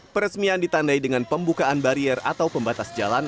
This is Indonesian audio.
peresmian ditandai dengan pembukaan barier atau pembatas jalan